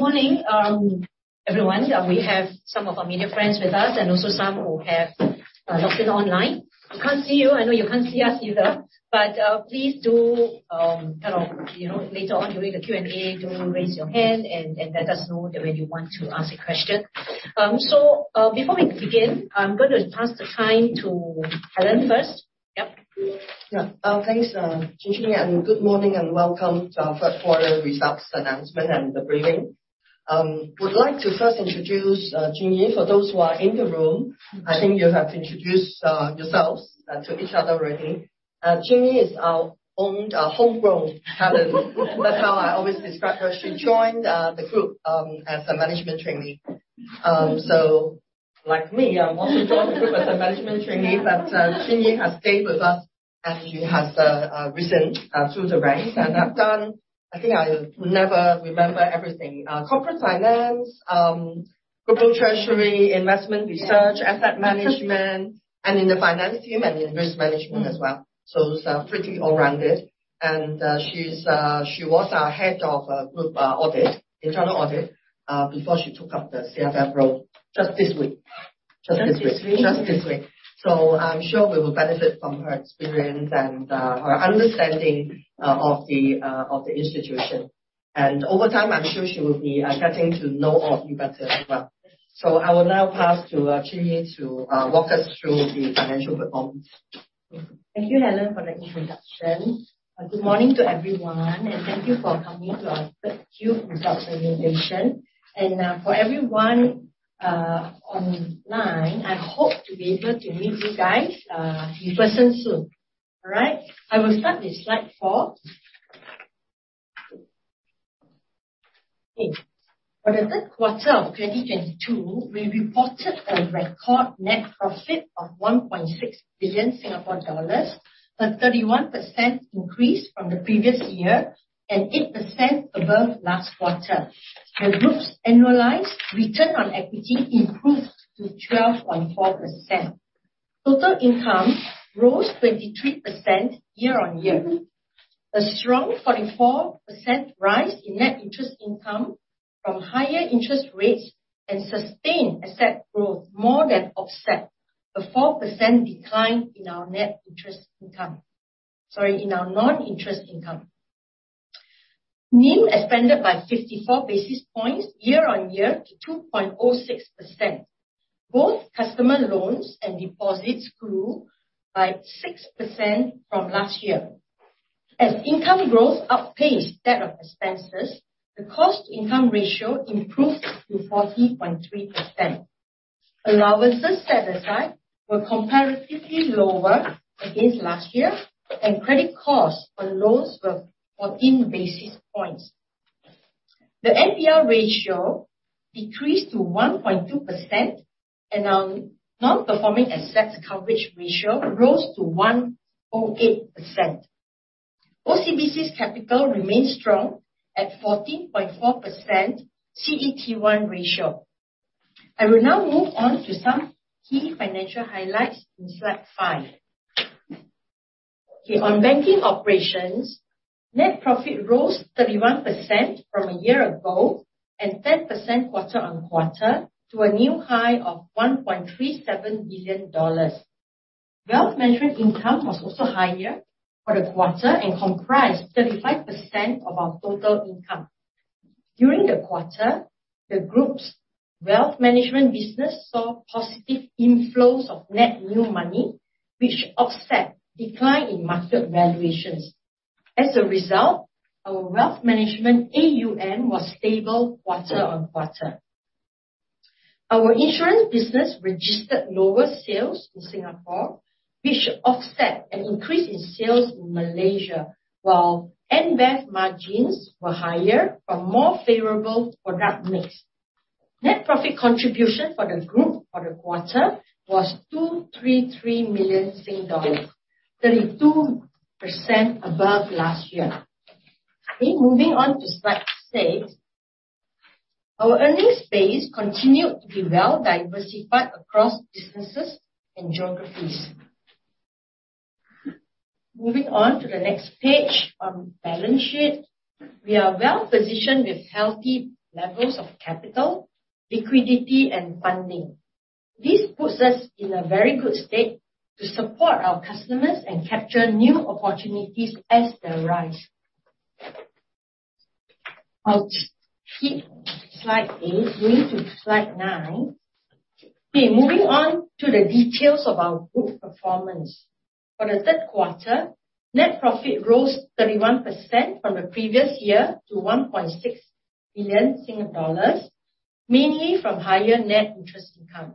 Good morning, everyone. We have some of our media friends with us and also some who have logged in online. We can't see you. I know you can't see us either, but please do kind of, you know, later on during the Q&A, do raise your hand and let us know that when you want to ask a question. Before we begin, I'm gonna pass the time to Helen first. Yep. Yeah. Thanks, Chin Yee, and good morning, and welcome to our first quarter results announcement and the briefing. Would like to first introduce Chin Yee. For those who are in the room, I think you have introduced yourselves to each other already. Chin Yee is our own homegrown talent. That's how I always describe her. She joined the group as a management trainee. So like me, also joined the group as a management trainee, but Chin Yee has stayed with us and she has risen through the ranks and have done. I think I will never remember everything. Corporate finance, group treasury, investment research. Yeah. Asset management, and in the finance team, and in risk management as well. Is pretty well-rounded and she was our head of group internal audit before she took up the CFO role just this week. Just this week. Just this week. Just this week. I'm sure we will benefit from her experience and her understanding of the institution. Over time, I'm sure she will be getting to know all of you better as well. I will now pass to Goh Chin Yee to walk us through the financial performance. Thank you, Helen, for the introduction. Good morning to everyone, and thank you for coming to our third Q results presentation. For everyone online, I hope to be able to meet you guys in person soon. All right. I will start with slide four. Okay. For the third quarter of 2022, we reported a record net profit of 1.6 billion Singapore dollars, a 31% increase from the previous year and 8% above last quarter. The group's annualized return on equity improved to 12.4%. Total income rose 23% year-on-year. A strong 44% rise in net interest income from higher interest rates and sustained asset growth more than offset the 4% decline in our net interest income. Sorry, in our non-interest income. NIM expanded by 54 basis points year-on-year to 2.06%. Both customer loans and deposits grew by 6% from last year. As income growth outpaced that of expenses, the cost income ratio improved to 40.3%. Allowances set aside were comparatively lower against last year, and credit costs on loans were 14 basis points. The NPL ratio decreased to 1.2%, and our non-performing asset coverage ratio rose to 108%. OCBC's capital remains strong at 14.4% CET1 ratio. I will now move on to some key financial highlights in slide five. Okay, on banking operations, net profit rose 31% from a year ago and 10% quarter-on-quarter to a new high of SGD 1.37 billion. Wealth management income was also higher for the quarter and comprised 35% of our total income. During the quarter, the group's wealth management business saw positive inflows of net new money, which offset decline in market valuations. As a result, our wealth management AUM was stable quarter-on-quarter. Our insurance business registered lower sales in Singapore, which offset an increase in sales in Malaysia, while NBEV margins were higher from more favorable product mix. Net profit contribution for the group for the quarter was 233 million Sing dollars, 32% above last year. Okay, moving on to slide six. Our earnings base continued to be well diversified across businesses and geographies. Moving on to the next page, on balance sheet, we are well-positioned with healthy levels of capital, liquidity and funding. This puts us in a very good state to support our customers and capture new opportunities as they arise. I'll skip slide eight, going to slide nine. Okay, moving on to the details of our group performance. For the third quarter, net profit rose 31% from the previous year to 1.6 billion Singapore dollars, mainly from higher net interest income.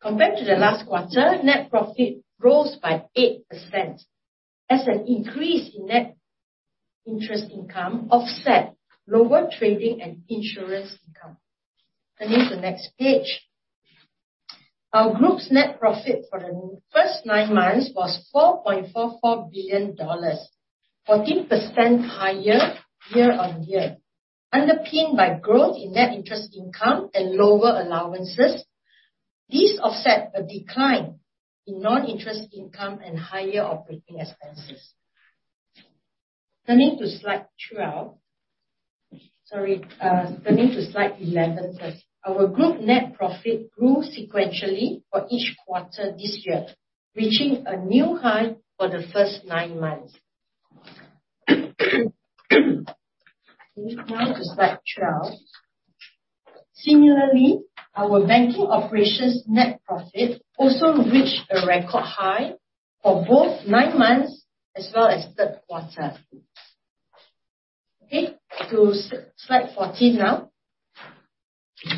Compared to the last quarter, net profit rose by 8% as an increase in net interest income offset lower trading and insurance income. Turning to the next page. Our group's net profit for the first nine months was SGD 4.44 billion, 14% higher year-on-year, underpinned by growth in net interest income and lower allowances. This offset a decline in non-interest income and higher operating expenses. Turning to slide 12. Sorry, turning to slide 11 first. Our group net profit grew sequentially for each quarter this year, reaching a new high for the first nine months. Okay, now to slide twelve. Similarly, our banking operations net profit also reached a record high for both nine months as well as third quarter. Okay, to slide fourteen now.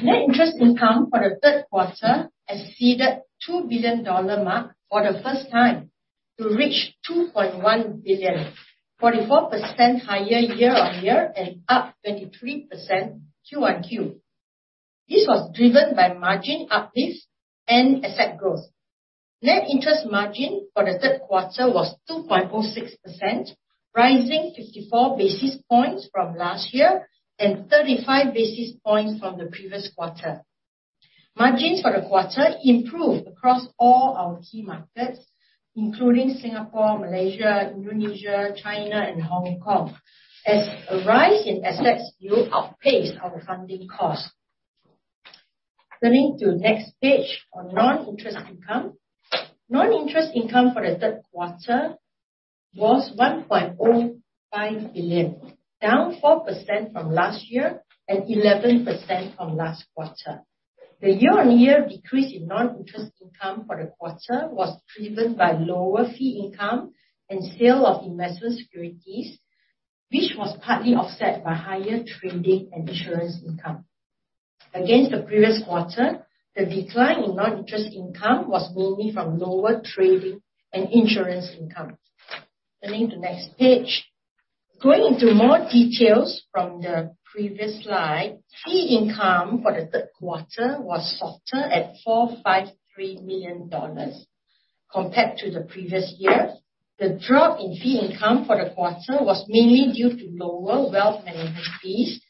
Net interest income for the third quarter exceeded 2 billion dollar mark for the first time to reach 2.1 billion. 44% higher year-on-year and up 23% QoQ. This was driven by margin uplift and asset growth. Net interest margin for the third quarter was 2.06%, rising 54 basis points from last year and 35 basis points from the previous quarter. Margins for the quarter improved across all our key markets, including Singapore, Malaysia, Indonesia, China and Hong Kong, as a rise in asset yield outpaced our funding cost. Turning to next page on non-interest income. Non-interest income for the third quarter was 1.05 billion. Down 4% from last year and 11% from last quarter. The year-on-year decrease in non-interest income for the quarter was driven by lower fee income and sale of investment securities, which was partly offset by higher trading and insurance income. Against the previous quarter, the decline in non-interest income was mainly from lower trading and insurance income. Turning to next page. Going into more details from the previous slide, fee income for the third quarter was softer at 453 million dollars compared to the previous year. The drop in fee income for the quarter was mainly due to lower wealth management fees,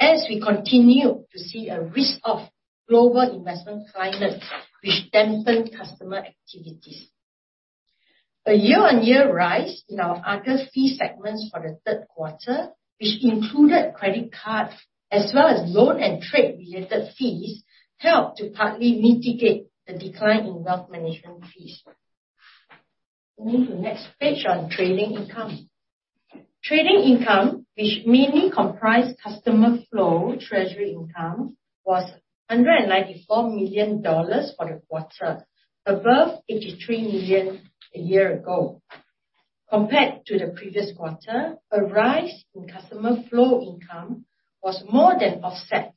as we continue to see a risk-off global investment climate, which dampened customer activities. A year-on-year rise in our other fee segments for the third quarter, which included credit cards as well as loan and trade related fees, helped to partly mitigate the decline in wealth management fees. Moving to next page on trading income. Trading income, which mainly comprise customer flow, treasury income, was 194 million dollars for the quarter, above 83 million a year ago. Compared to the previous quarter, a rise in customer flow income was more than offset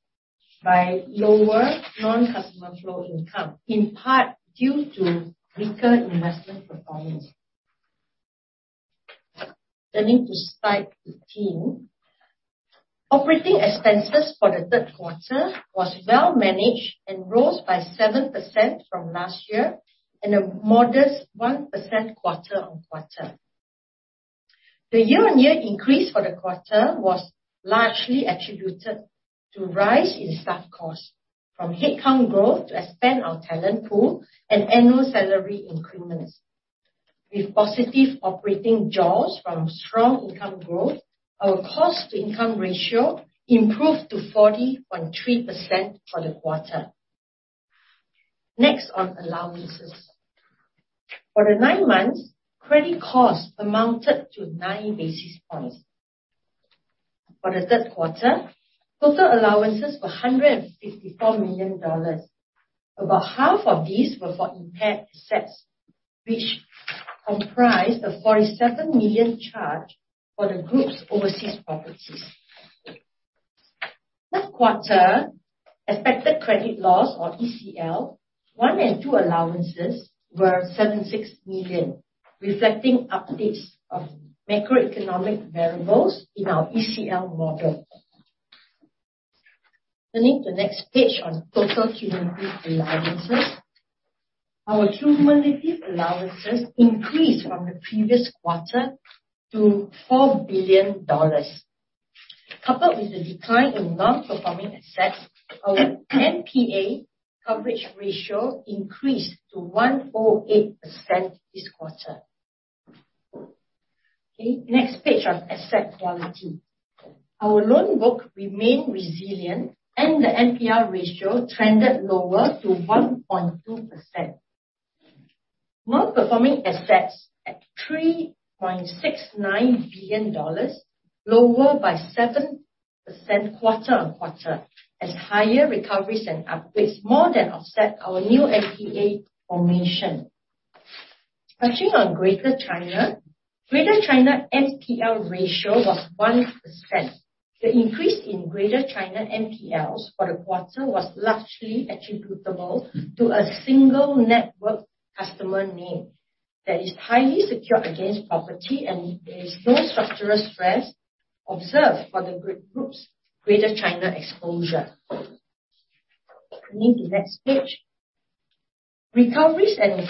by lower non-customer flow income, in part due to weaker investment performance. Turning to slide 18. Operating expenses for the third quarter was well managed and rose by 7% from last year, and a modest 1% quarter-on-quarter. The year-on-year increase for the quarter was largely attributed to rise in staff costs from headcount growth to expand our talent pool and annual salary increments. With positive operating jaws from strong income growth, our cost to income ratio improved to 40.3% for the quarter. Next, on allowances. For the nine months, credit costs amounted to nine basis points. For the third quarter, total allowances were 154 million dollars. About half of these were for impaired assets, which comprise a 47 million charge for the group's overseas properties. Third quarter, expected credit loss or ECL, one and two allowances were 76 million, reflecting updates of macroeconomic variables in our ECL model. Turning to next page on total cumulative allowances. Our cumulative allowances increased from the previous quarter to 4 billion dollars. Coupled with the decline in non-performing assets, our NPA coverage ratio increased to 108% this quarter. Okay, next page on asset quality. Our loan book remained resilient, and the NPL ratio trended lower to 1.2%. Non-performing assets at SGD 3.69 billion, lower by 7% quarter-on-quarter, as higher recoveries and upgrades more than offset our new NPA formation. Touching on Greater China. Greater China NPL ratio was 1%. The increase in Greater China NPLs for the quarter was largely attributable to a single network customer name that is highly secured against property, and there is no structural stress observed for the group's Greater China exposure. Turning to next page. Recoveries and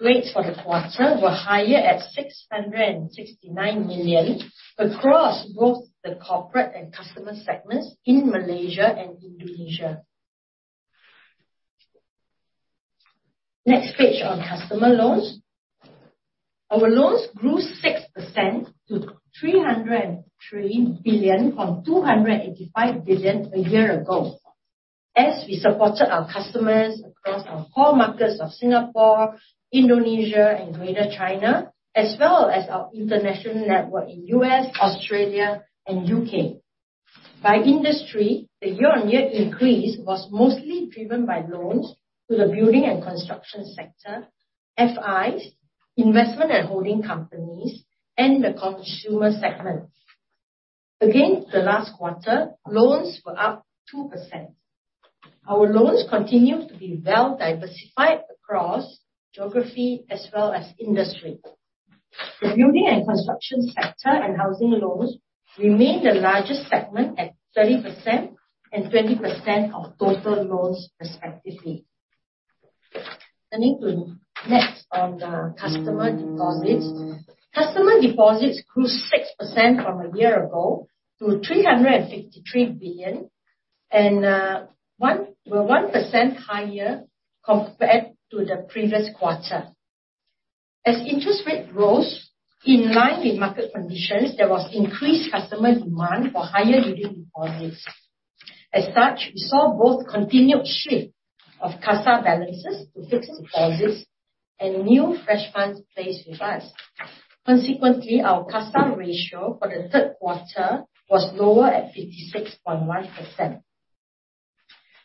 rates for the quarter were higher at 669 million across both the corporate and customer segments in Malaysia and Indonesia. Next page on customer loans. Our loans grew 6% to 303 billion from 285 billion a year ago, as we supported our customers across our core markets of Singapore, Indonesia and Greater China, as well as our international network in U.S., Australia and U.K. By industry, the year-on-year increase was mostly driven by loans to the building and construction sector, FIs, investment and holding companies, and the consumer segment. Again, the last quarter, loans were up 2%. Our loans continue to be well diversified across geography as well as industry. The building and construction sector and housing loans remain the largest segment at 30% and 20% of total loans respectively. Turning to next on the customer deposits. Customer deposits grew 6% from a year ago, to 353 billion and were 1% higher compared to the previous quarter. As interest rate rose in line with market conditions, there was increased customer demand for higher yielding deposits. As such, we saw both continued shift of CASA balances to fixed deposits and new fresh funds placed with us. Consequently, our CASA ratio for the third quarter was lower at 56.1%.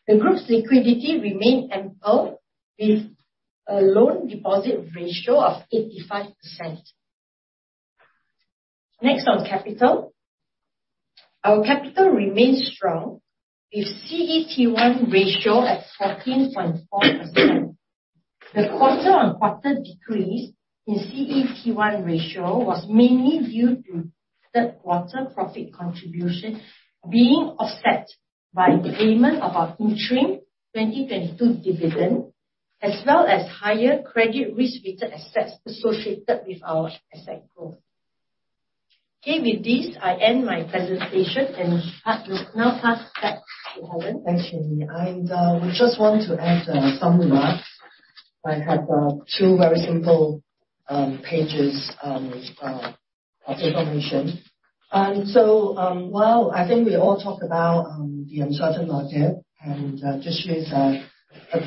The group's liquidity remained ample with a loan deposit ratio of 85%. Next on capital. Our capital remains strong with CET1 ratio at 14.4%. The quarter-on-quarter decrease in CET1 ratio was mainly due to third quarter profit contribution being offset by the payment of our interim 2022 dividend, as well as higher credit risk-weighted assets associated with our asset growth. Okay, with this, I end my presentation and I will now pass back to Helen. Thanks, Chin Yee. We just want to add some remarks. I have two very simple pages of information. While I think we all talk about the uncertainty out there, and this year's a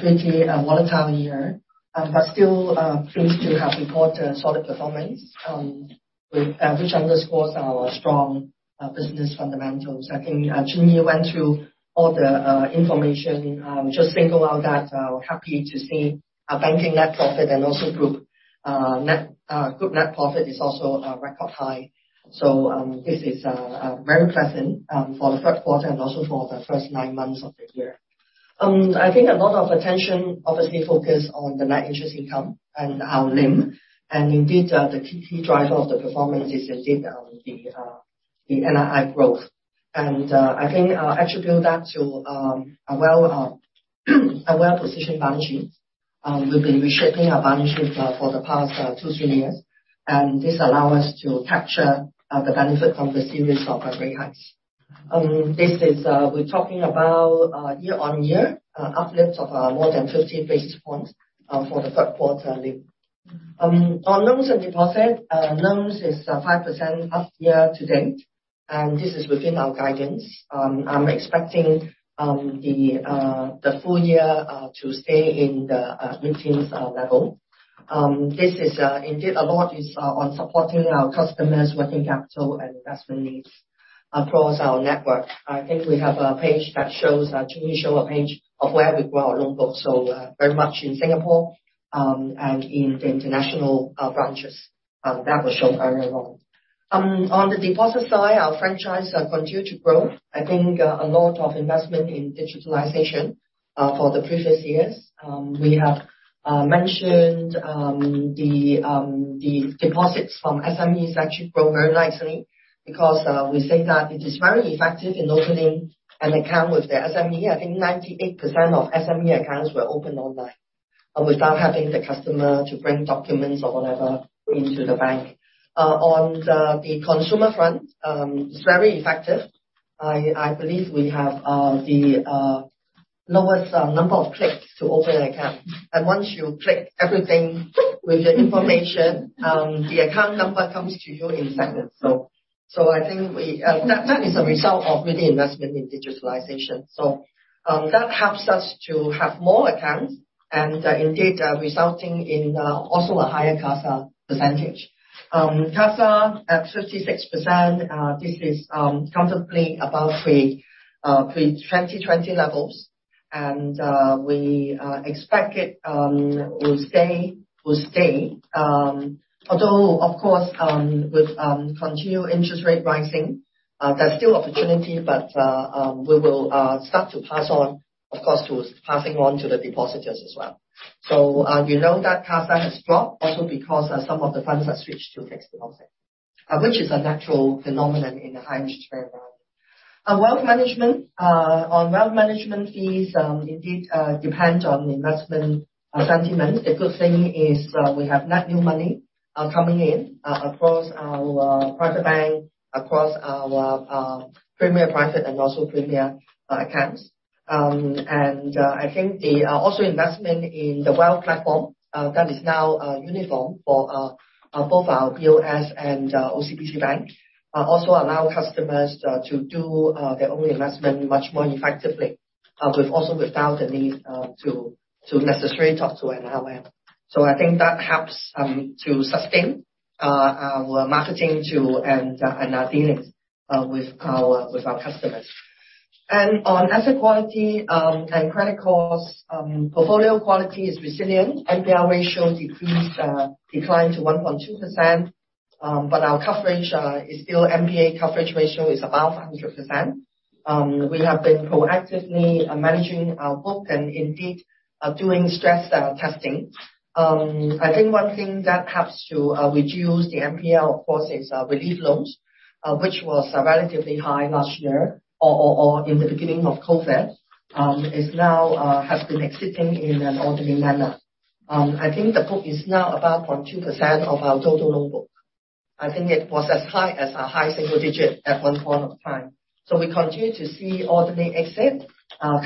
pretty volatile year, but still pleased to have reported solid performance with which underscores our strong business fundamentals. I think Chin Yee went through all the information. Just single out that we're happy to see our banking net profit and also group net profit is also record high. This is very pleasant for the third quarter and also for the first nine months of the year. I think a lot of attention obviously focused on the net interest income and our NIM. Indeed, the key driver of the performance is indeed the NII growth. I think I'll attribute that to a well-positioned balance sheet. We've been reshaping our balance sheet for the past two, three years. This allow us to capture the benefit from the series of rate hikes. We're talking about year-on-year uplift of more than 50 basis points for the third quarter NIM. On loans and deposits. Loans is 5% up year to date, and this is within our guidance. I'm expecting the full year to stay in the mid-teens level. This is indeed a lot is on supporting our customers' working capital and investment needs across our network. I think we have a page that shows, Goh Chin Yee show a page of where we grow our loan book. Very much in Singapore, and in the international branches, that was shown earlier on. On the deposit side, our franchise continue to grow. I think a lot of investment in digitalization for the previous years. We have mentioned the deposits from SMEs actually grow very nicely because we think that it is very effective in opening an account with the SME. I think 98% of SME accounts were opened online, without having the customer to bring documents or whatever into the bank. On the consumer front, it's very effective. I believe we have the lowest number of clicks to open an account. Once you click everything with the information, the account number comes to you in seconds. I think that is a result of really investment in digitalization. That helps us to have more accounts and indeed resulting in also a higher CASA percentage. CASA at 56%, this is comfortably above pre-2020 levels. We expect it will stay. Although, of course, with continued interest rate rising, there's still opportunity, but we will start to pass on, of course, to passing on to the depositors as well. We know that CASA has dropped also because some of the funds are switched to fixed deposit, which is a natural phenomenon in a high-interest rate environment. On wealth management fees, indeed depends on the investment sentiment. The good thing is, we have net new money coming in across our private bank, across our Premier Private and also Premier accounts. I think the also investment in the wealth platform that is now uniform for both our BOS and OCBC Bank also allow customers to do their own investment much more effectively also without the need to necessarily talk to an RM. I think that helps to sustain our marketing and dealings with our customers. On asset quality and credit costs, portfolio quality is resilient. NPL ratio declined to 1.2%, but our NPA coverage ratio is still above 100%. We have been proactively managing our book and indeed doing stress testing. I think one thing that helps to reduce the NPL, of course, is relief loans, which was relatively high last year or in the beginning of COVID, is now has been exiting in an orderly manner. I think the book is now about 0.2% of our total loan book. I think it was as high as a high single digit at one point of time. We continue to see orderly exit.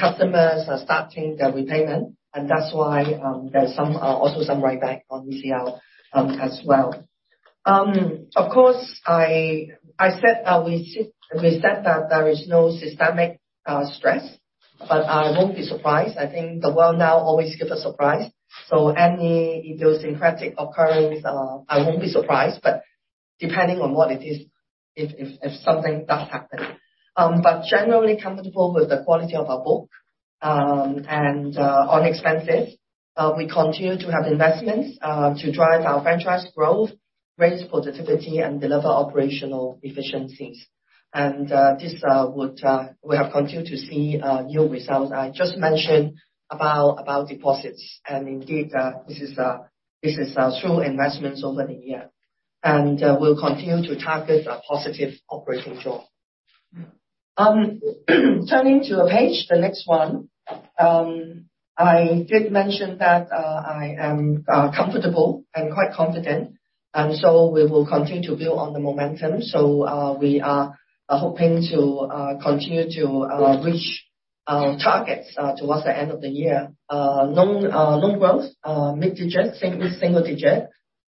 Customers are starting their repayment, and that's why, there's also some write-back on NPL, as well. Of course, we said that there is no systemic stress, but I won't be surprised. I think the world now always give a surprise, any idiosyncratic occurrence, I won't be surprised. But depending on what it is, if something does happen. Generally comfortable with the quality of our book, and on expenses, we continue to have investments to drive our franchise growth, raise productivity and deliver operational efficiencies. We have continued to see new results. I just mentioned about deposits, and indeed, this is through investments over the year. We'll continue to target a positive operating jaw. Turning to a page, the next one, I did mention that I am comfortable and quite confident, and we will continue to build on the momentum. We are hoping to continue to reach our targets towards the end of the year. Loan growth mid-single-digit.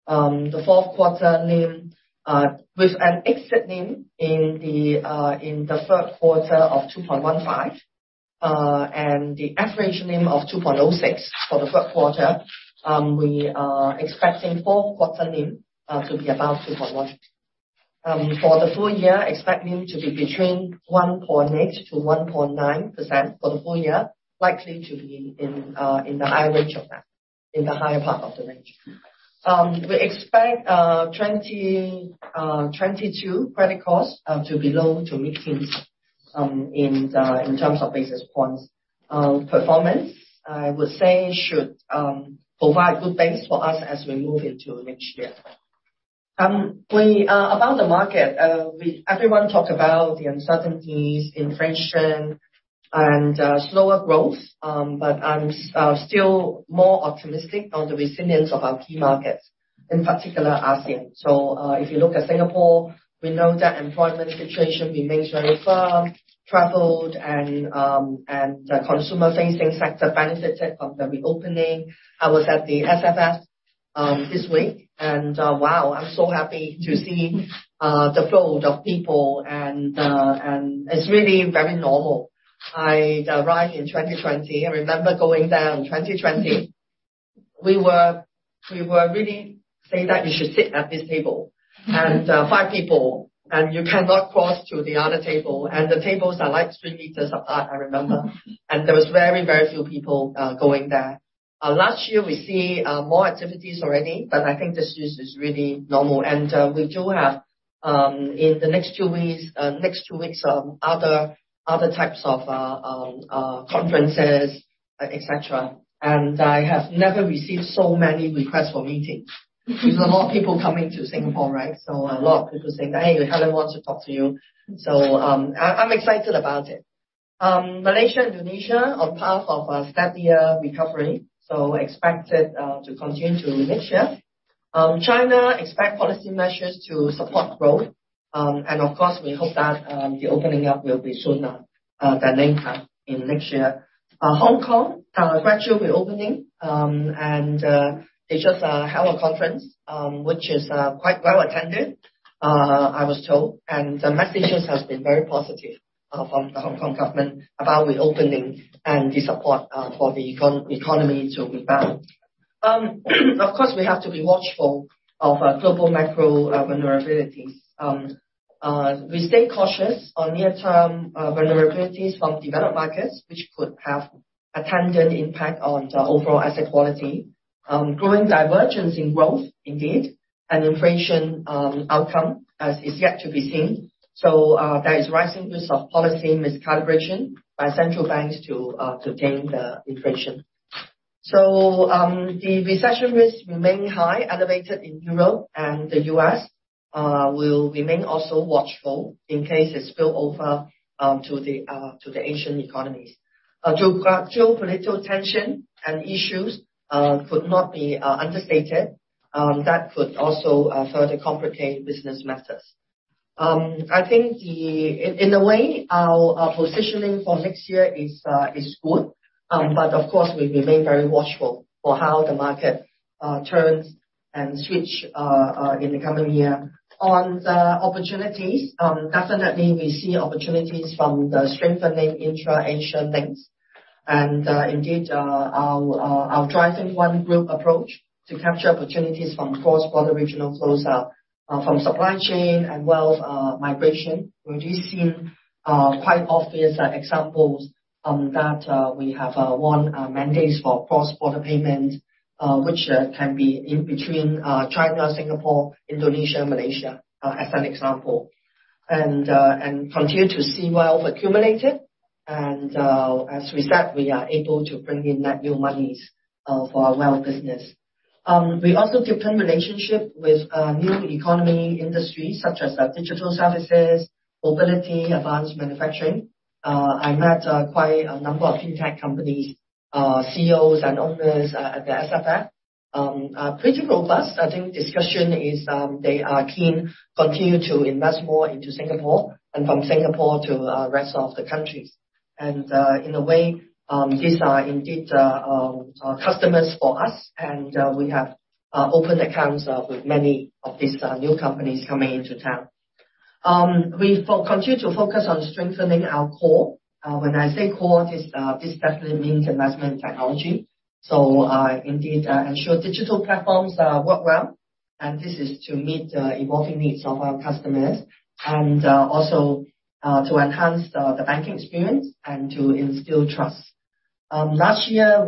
The fourth quarter NIM with an exit NIM in the third quarter of 2.15% and the average NIM of 2.06% for the third quarter, we are expecting fourth quarter NIM to be above 2.16%. For the full year, expect NIM to be between 1.8%-1.9% for the full year, likely to be in the high range of that, in the higher part of the range. We expect 2022 credit costs to be low to mid-teens in terms of basis points. Performance, I would say, should provide good banks for us as we move into next year. About the market, everyone talk about the uncertainties, inflation and slower growth, but I'm still more optimistic on the resilience of our key markets, in particular ASEAN. If you look at Singapore, we know that employment situation remains very firm. Travel and the consumer-facing sector benefited from the reopening. I was at the SFF this week, and wow, I'm so happy to see the flow of people and it's really very normal. I arrived in 2020. I remember going there in 2020. We were really saying that you should sit at this table and five people, and you cannot cross to the other table. The tables are like three meters apart, I remember. There was very few people going there. Last year we saw more activities already, but I think this year is really normal. We do have, in the next two weeks, other types of conferences, et cetera. I have never received so many requests for meetings. There's a lot of people coming to Singapore, right? A lot of people saying, "Hey, Helen wants to talk to you." I'm excited about it. Malaysia and Indonesia on path of a steadier recovery, expected to continue into next year. China expect policy measures to support growth, and of course, we hope that the opening up will be sooner than later in next year. Hong Kong gradual reopening, and they just held a conference, which is quite well attended, I was told. The message has been very positive from the Hong Kong government about reopening and the support for the economy to rebound. Of course, we have to be watchful of global macro vulnerabilities. We stay cautious on near-term vulnerabilities from developed markets, which could have a tangential impact on the overall asset quality. Growing divergence in growth indeed and inflation outcome is yet to be seen. There is rising risk of policy miscalibration by central banks to tame the inflation. The recession risk remain high, elevated in Europe and the U.S. We'll remain also watchful in case it spill over to the Asian economies. Geopolitical tension and issues could not be understated. That could also further complicate business matters. I think in a way, our positioning for next year is good. Of course, we remain very watchful for how the market turns and switch in the coming year. On the opportunities, definitely we see opportunities from the strengthening intra-Asia links. Indeed, our driving one group approach to capture opportunities from cross-border regional flows from supply chain and wealth migration. We do see quite obvious examples that we have won mandates for cross-border payment, which can be in between China, Singapore, Indonesia, Malaysia as an example. Continue to see wealth accumulated. As we said, we are able to bring in that new monies for our wealth business. We also deepen relationship with new economy industry, such as digital services, mobility, advanced manufacturing. I met quite a number of FinTech companies CEOs and owners at the SFF. Pretty robust. I think the discussion is they are keen to continue to invest more into Singapore and from Singapore to the rest of the countries. In a way, these are indeed customers for us. We have opened accounts with many of these new companies coming into town. We continue to focus on strengthening our core. When I say core, this definitely means investment in technology. Indeed, ensure digital platforms work well, and this is to meet the evolving needs of our customers, and also to enhance the banking experience and to instill trust. Last year,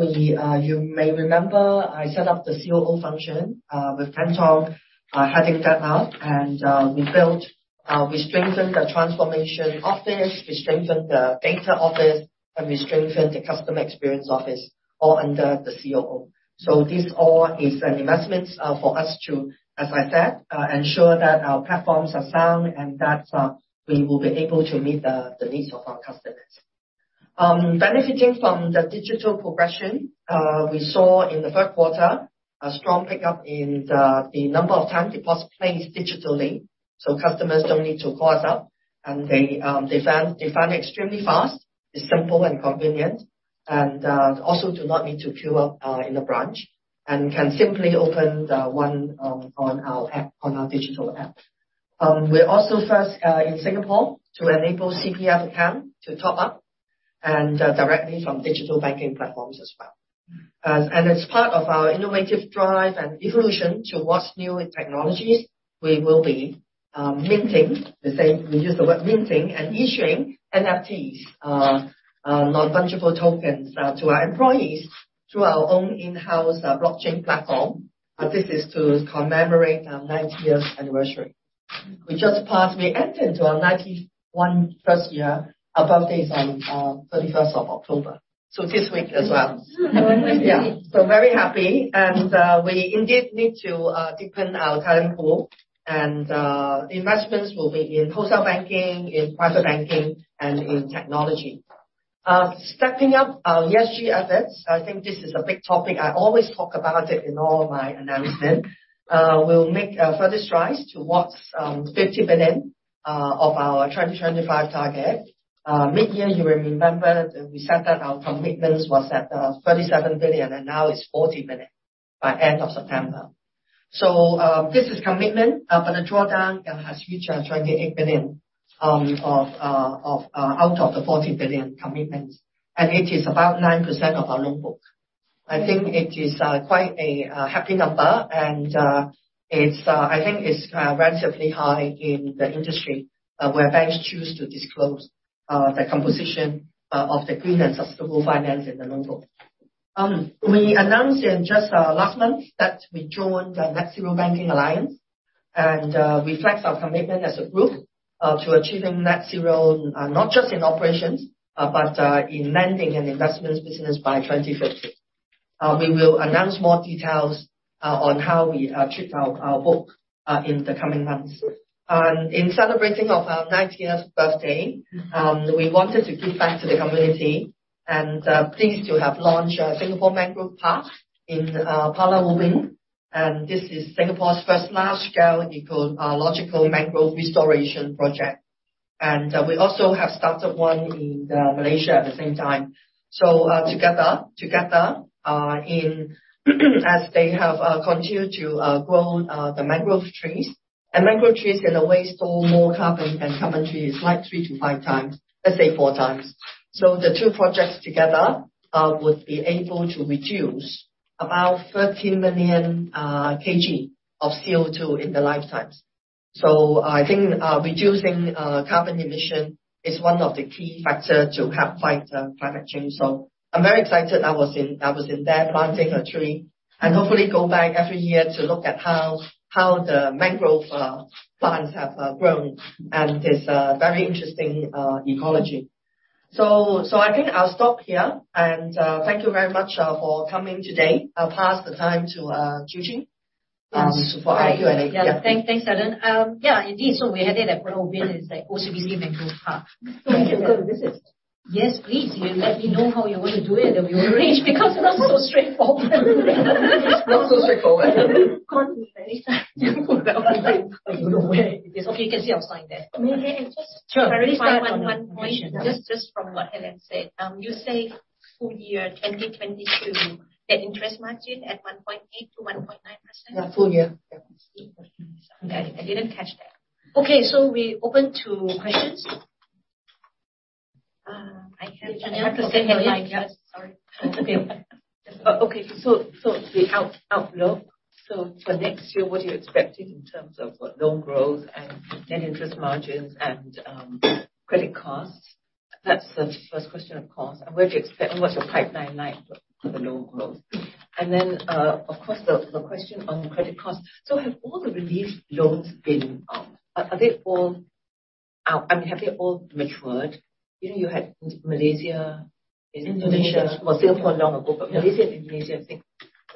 you may remember, I set up the COO function with Ching Wei Hong heading that up. We strengthened the transformation office, we strengthened the data office, and we strengthened the customer experience office, all under the COO. This all is an investment for us to, as I said, ensure that our platforms are sound and that we will be able to meet the needs of our customers. Benefiting from the digital progression, we saw in the third quarter a strong pickup in the number of time deposit placed digitally, so customers don't need to call us up. They found extremely fast, it's simple and convenient. Also do not need to queue up in the branch, and can simply open the one on our app, on our digital app. We're also first in Singapore to enable CPF account to top up and directly from digital banking platforms as well. As part of our innovative drive and evolution to what's new in technologies, we will be minting and issuing NFTs, non-fungible tokens, to our employees through our own in-house blockchain platform. This is to commemorate our 90th anniversary. We entered our 91st year. Our birthday is on 31st of October. This week as well. Yeah. Very happy. We indeed need to deepen our talent pool. Investments will be in wholesale banking, in private banking, and in technology. Stepping up our ESG efforts. I think this is a big topic. I always talk about it in all my announcements. We'll make further strides towards 50 billion of our 2025 target. Midyear, you remember we said that our commitments was at 37 billion, and now it's 40 billion by end of September. This is commitments, but the drawdown has reached 28 billion out of the 40 billion commitments. It is about 9% of our loan book. I think it is quite a happy number. It's, I think, relatively high in the industry where banks choose to disclose the composition of the green and sustainable finance in the loan book. We announced in just last month that we joined the Net-Zero Banking Alliance. We flex our commitment as a group to achieving net zero not just in operations but in lending and investments business by 2050. We will announce more details on how we treat our book in the coming months. In celebration of our ninth year's birthday we wanted to give back to the community and pleased to have launched OCBC Mangrove Park in Pulau Ubin. This is Singapore's first large-scale ecological mangrove restoration project. We also have started one in Malaysia at the same time. Together in as they have continued to grow the mangrove trees. Mangrove trees in a way store more carbon than palm trees like 3-5 times. Let's say four times. The two projects together would be able to reduce about 13 million kg of CO2 in their lifetimes. I think reducing carbon emission is one of the key factor to help fight climate change. I'm very excited I was in there planting a tree, and hopefully go back every year to look at how the mangrove plants have grown and this very interesting ecology. I think I'll stop here. Thank you very much for coming today. I'll pass the time to Chin Yee. Super. I hear that. Yeah. Thanks, Helen. Yeah, indeed. We had that SGD 0 billion is like OCBC Mangrove Park. We can go to visit. Yes, please. You let me know how you want to do it, and we will arrange because it's not so straightforward. Not so straightforward. We don't know where it is. Okay. You can see outside there. May I just. Sure. Just from what Helen said. You say full year 2022, net interest margin at 1.8%-1.9%. Yeah. Full year. Yeah. Okay. I didn't catch that. Okay. We open to questions. I have to send my. Sorry. Okay. Okay. The outlook. For next year, what are you expecting in terms of loan growth and net interest margins and credit costs? That's the first question, of course. Where do you expect. What's your pipeline like for the loan growth? Then, of course, the question on credit costs. Have all the relief loans been? Are they all out? I mean, have they all matured? You know, you had Malaysia Indonesia. Malaysia or Singapore long ago, but Malaysia and Indonesia, I think.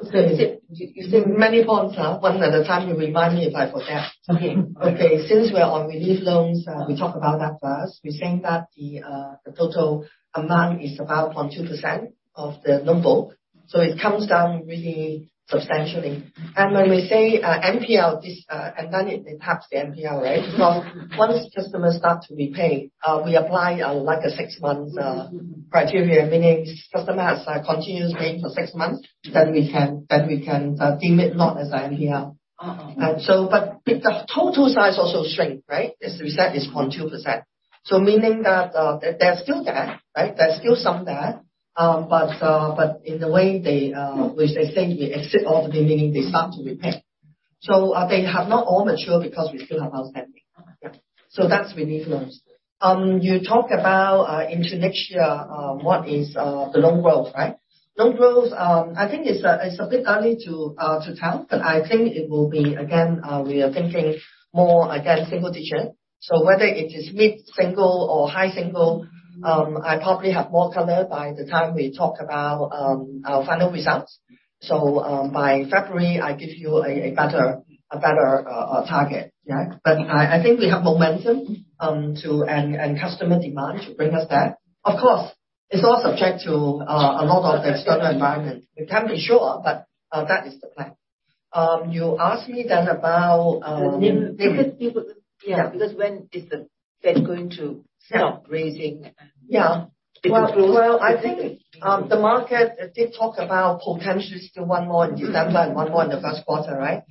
You said many points. One at a time, you remind me if I forget. Okay. Okay. Since we're on relief loans, we talk about that first. We're saying that the total amount is about 0.2% of the loan book. It comes down really substantially. When we say NPL, it impacts the NPL, right? Because once customers start to repay, we apply, like a six-month criterion, meaning customer has continuous paying for six months, then we can deem it not as NPL. Uh-uh. The total size also shrink, right? As we said, it's 0.2%. Meaning that, they're still there, right? There's still some there. But in a way they, which they think we exit off, meaning they start to repay. They have not all matured because we still have outstanding. Okay. That's relief loans. You talk about into next year what is the loan growth right? Loan growth I think it's a bit early to tell but I think it will be again we are thinking more again single digit. Whether it is mid-single or high single I probably have more color by the time we talk about our final results. By February I give you a better target. Yeah. I think we have momentum and customer demand to bring us that. Of course it's all subject to a lot of external environment. We can't be sure but that is the plan. You asked me then about NIM. Because when is the Fed going to stop raising? Yeah. If it grows. Well, I think the market did talk about potentially still one more in December and one more in the first quarter, right?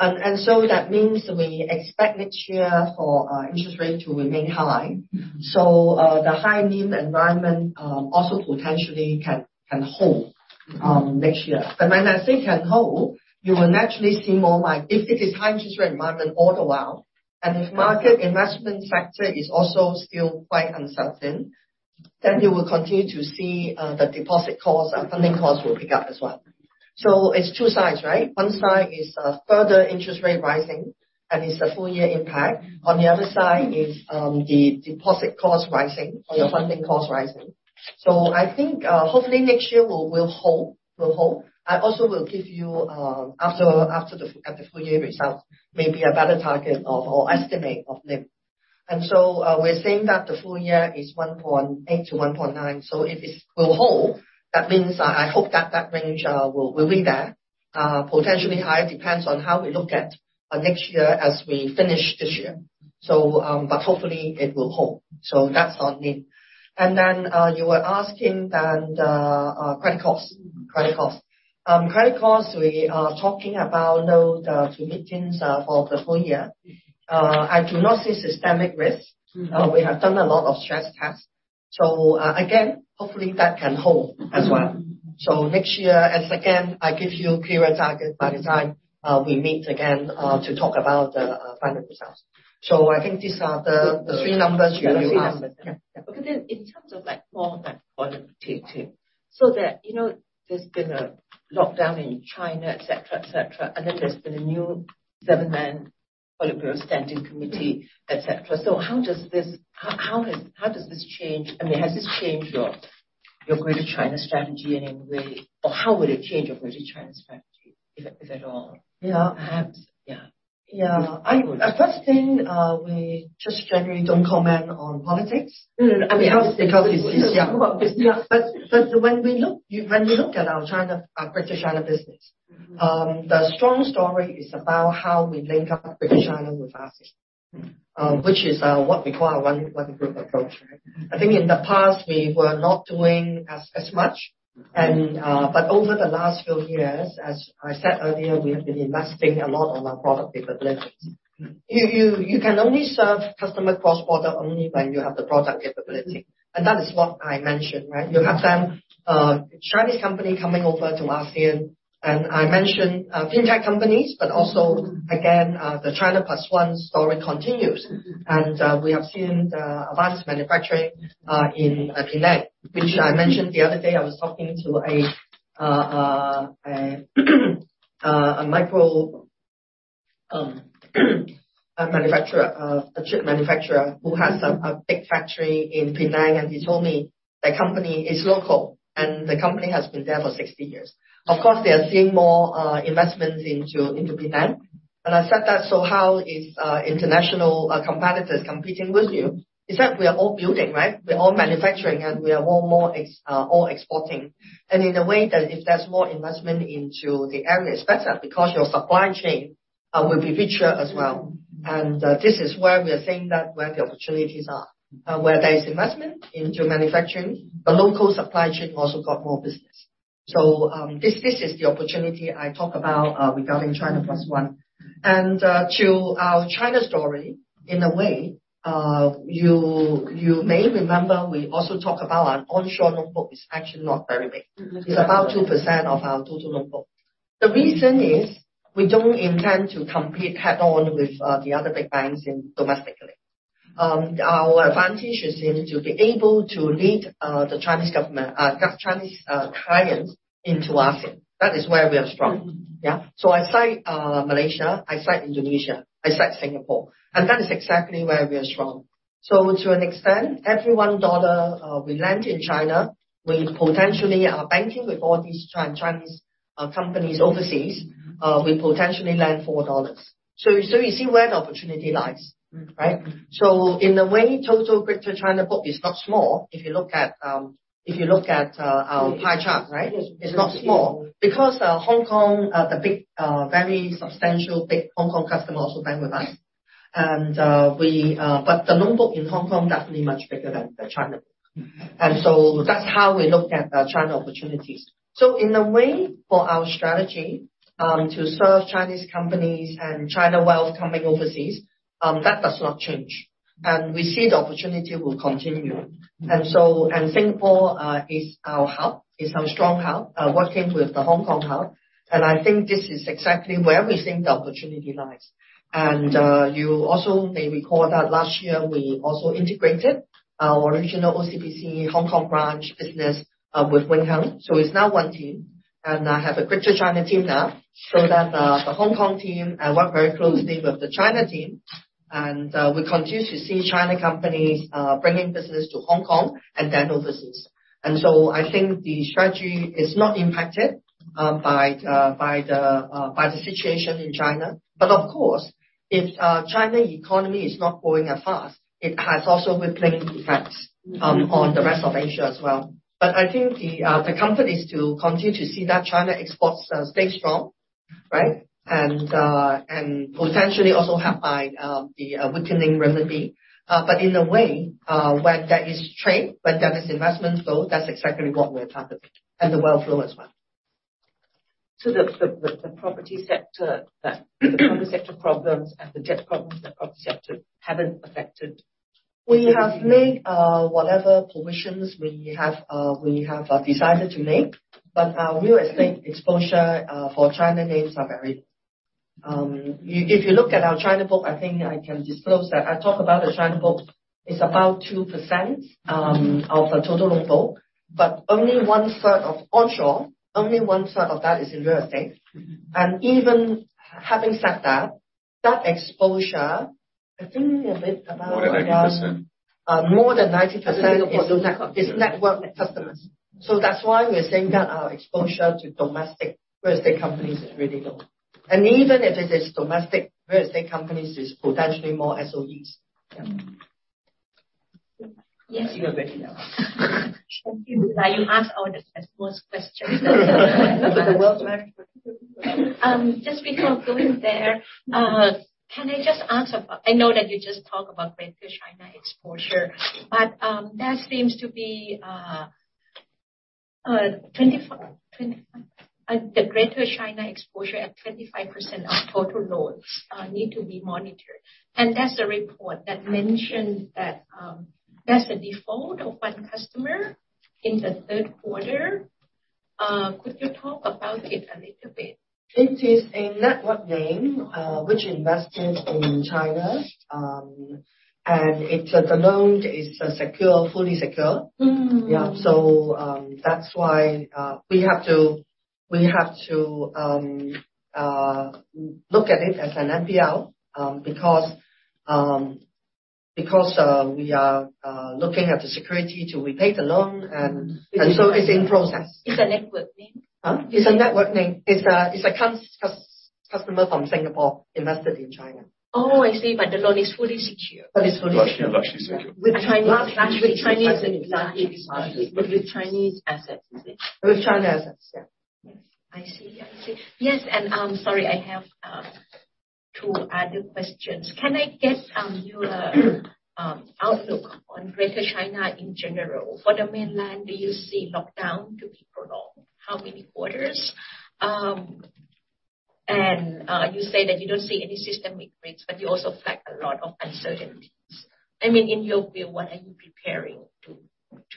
That means we expect next year for interest rate to remain high. Mm-hmm. The high NIM environment also potentially can hold next year. When I say can hold, you will naturally see more like if it is high-interest rate environment all the while, and if market investment factor is also still quite uncertain, then you will continue to see the deposit costs and funding costs will pick up as well. It's two sides, right? One side is further interest rate rising, and it's a full year impact. On the other side is the deposit costs rising or your funding costs rising. I think hopefully next year we'll hold. I also will give you after the full year results, maybe a better target of or estimate of NIM. We're saying that the full year is 1.8%-1.9%. If it will hold, that means I hope that that range will be there. Potentially higher, depends on how we look at next year as we finish this year. Hopefully it will hold. That's on NIM. You were asking about the credit costs. Credit costs, we are talking about low 20 bps for the full year. I do not see systemic risks. Mm-hmm. We have done a lot of stress tests. Again, hopefully that can hold as well. Next year, as again, I give you clearer target by the time we meet again to talk about the final results. I think these are the three numbers you have asked. The three numbers. Yeah. Okay. In terms of, like, more like qualitative, so that, you know, there's been a lockdown in China, et cetera, and then there's been a new seven-man Politburo Standing Committee, et cetera. How does this change? I mean, has this changed your Greater China strategy in any way? Or how would it change your Greater China strategy, if at all? Yeah. Perhaps. Yeah. Yeah. If it would. First thing, we just generally don't comment on politics. No, no. I mean, because it's, yeah. Yeah. When we look at our China, our Greater China business. Mm-hmm. The strong story is about how we link up Greater China with ASEAN. Mm-hmm. Which is what we call our one group approach, right? I think in the past, we were not doing as much, but over the last few years, as I said earlier, we have been investing a lot on our product capabilities. You can only serve customer cross-border only when you have the product capability. That is what I mentioned, right? You have then Chinese company coming over to ASEAN, and I mentioned fintech companies, but also again the China Plus One story continues. Mm-hmm. We have seen the advanced manufacturing in Penang, which I mentioned the other day. I was talking to a manufacturer, a chip manufacturer who has a big factory in Penang, and he told me the company is local and the company has been there for 60 years. Of course, they are seeing more investments into Penang. I said that, "So how is international competitors competing with you?" He said, "We are all building, right? We're all manufacturing and we are all exporting." In a way that if there's more investment into the area, it's better because your supply chain will be richer as well. This is where we are seeing that, where the opportunities are. Where there is investment into manufacturing, the local supply chain also got more business. This is the opportunity I talk about regarding China Plus One. To our China story, in a way, you may remember we also talk about our onshore loan book is actually not very big. It's about 2% of our total loan book. The reason is we don't intend to compete head-on with the other big banks domestically. Our advantage is in to be able to lead the Chinese clients into assets. That is where we are strong. Mm-hmm. I cite Malaysia, I cite Indonesia, I cite Singapore, and that is exactly where we are strong. To an extent, every 1 dollar we lend in China, we potentially are banking with all these Chinese companies overseas, we potentially lend 4 dollars. You see where the opportunity lies. Mm-hmm. Right? In a way, total Greater China book is not small. If you look at our pie chart, right? Yes. It's not small. Because Hong Kong, the big, very substantial big Hong Kong customer also bank with us. But the loan book in Hong Kong definitely much bigger than the China book. Mm-hmm. That's how we look at China opportunities. In a way, for our strategy, to serve Chinese companies and China wealth coming overseas, that does not change. We see the opportunity will continue. Singapore is our hub, is our strong hub, working with the Hong Kong hub, and I think this is exactly where we think the opportunity lies. You also may recall that last year we also integrated our original OCBC Hong Kong branch business with Wing Hang Bank. It's now one team. I have a Greater China team now. That the Hong Kong team work very closely with the China team. We continue to see China companies bringing business to Hong Kong and then overseas. I think the strategy is not impacted by the situation in China. Of course, if Chinese economy is not growing as fast, it has also ripple effects on the rest of Asia as well. I think the companies to continue to see that Chinese exports stay strong, right? And potentially also helped by the weakening renminbi. In a way, where there is trade, where there is investment flow, that's exactly what we're targeting, and the wealth flow as well. The property sector problems and the debt problems, the property sector haven't affected. We have made whatever provisions we have decided to make, but our real estate exposure for China names are very. If you look at our China book, I think I can disclose that. When I talk about the China book, it's about 2% of the total loan book, but only one-third is onshore, only one-third of that is in real estate. Mm-hmm. Even having said that exposure, I think a bit about. More than 90%. More than 90% is network customers. That's why we are saying that our exposure to domestic real estate companies is really low. Even if it is domestic real estate companies, it's potentially more SOEs. Yeah. Yes. You are ready now. Thank you. You ask all the tough questions. Just to go there, can I just ask about it? I know that you just talk about Greater China exposure, but that seems to be 25% of total loans, need to be monitored. That's the report that mentioned that there's a default of one customer in the third quarter. Could you talk about it a little bit? It is a network name, which invested in China. The loan is secure, fully secure. Mm. Yeah. That's why we have to look at it as an NPL, because we are looking at the security till we pay the loan and. Mm. It's in process. It's a network name? Huh? It's a network name. It's a customer from Singapore invested in China. Oh, I see. The loan is fully secured. It's fully secured. Largely secured. With Chinese- With Chinese assets, is it? With China assets, yeah. Yes. I see. Yes, sorry, I have two other questions. Can I get your outlook on Greater China in general? For the mainland, do you see lockdown to be prolonged? How many quarters? You say that you don't see any systemic risks, but you also flag a lot of uncertainties. I mean, in your view, what are you preparing to?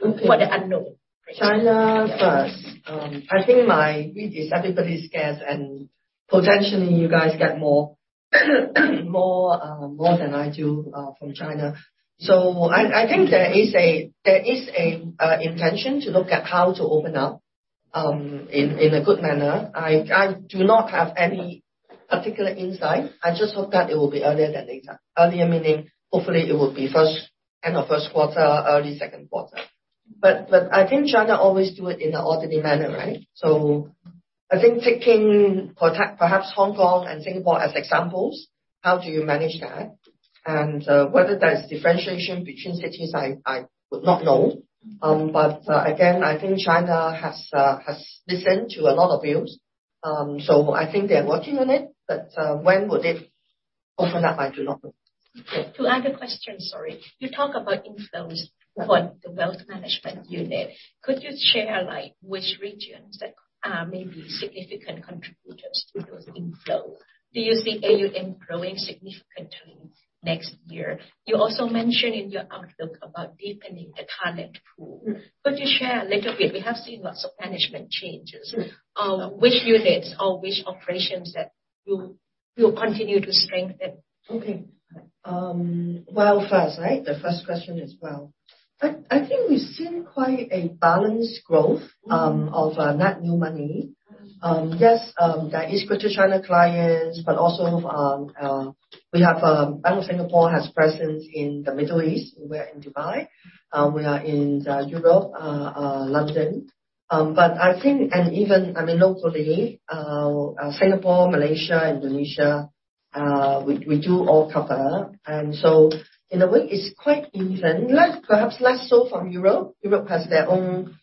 Okay. For the unknown? China first. I think my read is everybody's guess, and potentially you guys get more than I do from China. I think there is an intention to look at how to open up in a good manner. I do not have any particular insight. I just hope that it will be earlier than later. Earlier meaning, hopefully it will be end of first quarter, early second quarter. I think China always do it in an orderly manner, right? I think taking perhaps Hong Kong and Singapore as examples, how do you manage that? Whether there's differentiation between cities, I would not know. Again, I think China has listened to a lot of views. I think they are working on it, but when would it open up? I do not know. To add a question, sorry. You talk about inflows for the wealth management unit. Could you share, like, which regions that are maybe significant contributors to those inflow? Do you see AUM growing significantly next year? You also mentioned in your outlook about deepening the talent pool. Could you share a little bit? We have seen lots of management changes. Which units or which operations that you will continue to strengthen? Okay. Well first, right, the first question is wealth. I think we've seen quite a balanced growth of net new money. Yes, there is Greater China clients, but also, we have Bank of Singapore has presence in the Middle East. We are in Dubai. We are in Europe, London. I think and even, I mean, locally, Singapore, Malaysia, Indonesia, we do all cover. In a way it's quite even. Less, perhaps less so from Europe. Europe has their own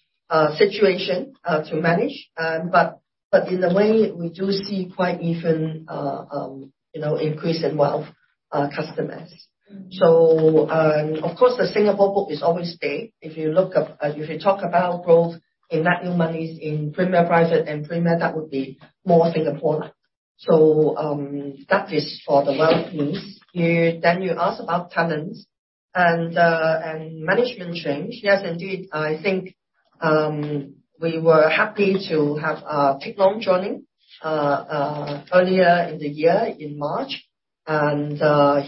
situation to manage. In a way we do see quite even, you know, increase in wealth customers. Of course the Singapore book is always there. If you talk about growth in net new monies in Premier Private and Premier, that would be more Singapore. That is for the wealth piece. Then you ask about talents and management change. Yes, indeed. I think we were happy to have Helen Wong joining earlier in the year in March.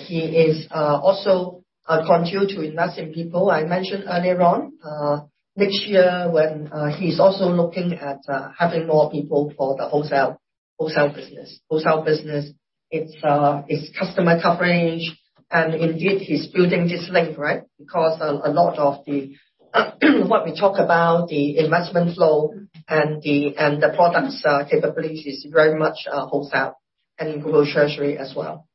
He is also continue to invest in people. I mentioned earlier on next year when he's also looking at having more people for the wholesale business. Wholesale business, its customer coverage, and indeed he's building this link, right? Because a lot of what we talk about the investment flow and the products capabilities is very much wholesale and global treasury as well.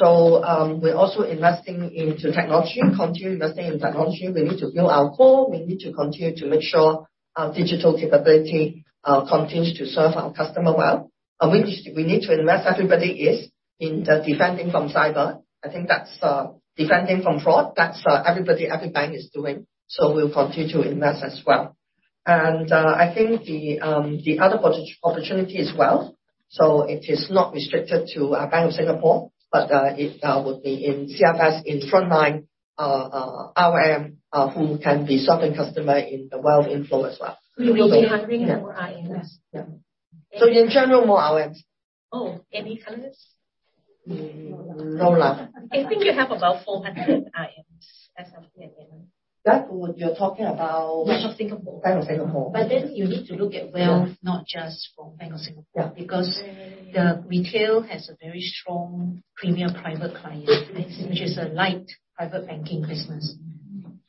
We're also investing into technology, continue investing in technology. We need to build our core. We need to continue to make sure our digital capability continues to serve our customer well. We need to invest, everybody is in defending from cyber. I think that's defending from fraud. That's everybody, every bank is doing. We'll continue to invest as well. I think the other opportunity is wealth. It is not restricted to Bank of Singapore, but it would be in CFS in frontline RM who can be serving customer in the wealth inflow as well. Will you be hiring more RMs? Yeah. In general, more RMs. Any targets? No luck. I think you have about 400 RMs as of today. That would. You're talking about Bank of Singapore. You need to look at wealth, not just from Bank of Singapore. Yeah. Because the retail has a very strong Premier Private Client base, which is a light private banking business.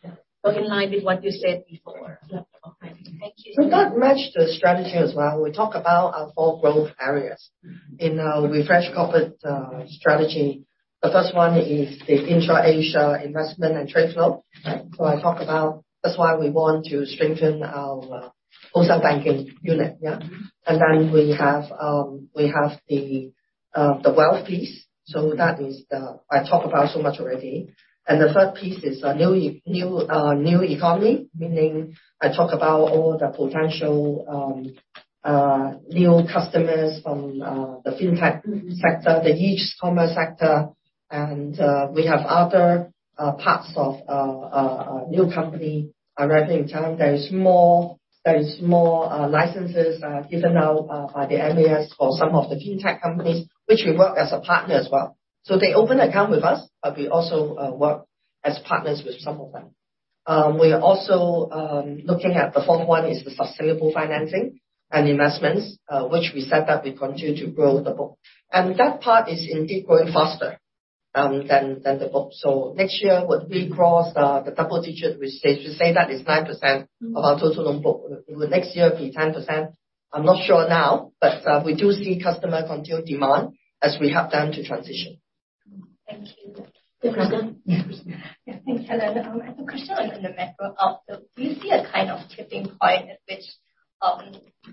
Yeah. In line with what you said before. Yeah. Okay. Thank you. That match the strategy as well. We talk about our four growth areas in our refreshed corporate strategy. The first one is the intra-Asia investment and trade flow. Right. I talk about that's why we want to strengthen our wholesale banking unit. Yeah. We have the wealth piece. I talk about so much already. The third piece is our new economy, meaning I talk about all the potential new customers from the fintech sector, the e-commerce sector, and we have other parts of a new company arriving in town. There is more licenses given out by the MAS for some of the fintech companies, which we work as a partner as well. They open an account with us, but we also work as partners with some of them. We are also looking at the fourth one is the sustainable financing and investments, which we said that we continue to grow the book. That part is indeed growing faster than the book. Next year, would we cross the double digit we say? We say that is 9% of our total loan book. Will next year be 10%? I'm not sure now, but we do see customers continued demand as we help them to transition. Thank you. Mm-hmm. Good question. Yes. Thanks, Helen. I have a question on the macro outlook. Do you see a kind of tipping point at which,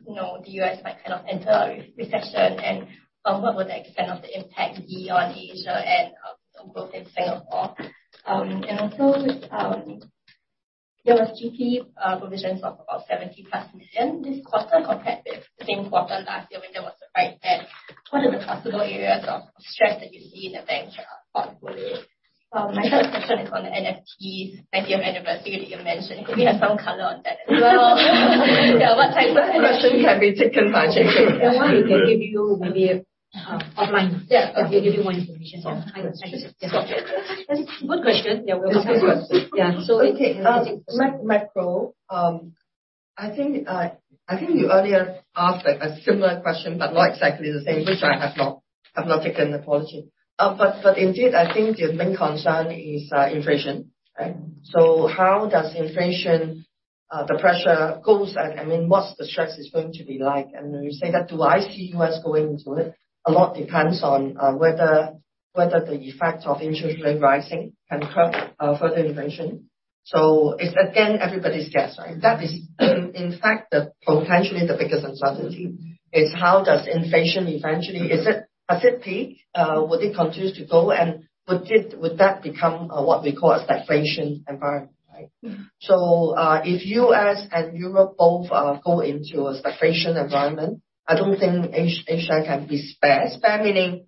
you know, the U.S. might kind of enter a recession? What would the extent of the impact be on Asia and on growth in Singapore? There was GP provisions of about 70+ million. This is versus the same quarter last year when there was a write-down. What are the possible areas of stress that you see in the bank's portfolio? My third question is on the NFT fifth year anniversary that you mentioned. Maybe have some color on that as well. That question can be taken by Shane. The one who can give you more information. Yeah. Good question. Yeah. Yeah. Okay, macro. I think you earlier asked a similar question, but not exactly the same, which I have not taken the policy. Indeed, I think the main concern is inflation, right? How does inflation, the pressure goes, and I mean, what's the stress is going to be like? When you say that, do I see U.S. going into it? A lot depends on whether the effect of interest rate rising can curb further inflation. It's again, everybody's guess, right? That is in fact, potentially the biggest uncertainty is how does inflation eventually. Has it peaked? Will it continue to go? Would that become what we call a stagflation environment, right? If U.S. and Europe both go into a stagflation environment, I don't think Asia can be spared. Spared meaning